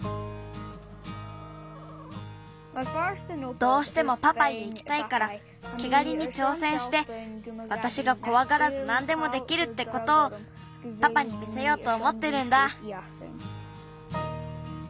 どうしてもパパイへいきたいからけがりにちょうせんしてわたしがこわがらずなんでもできるってことをパパに見せようとおもってるんだ。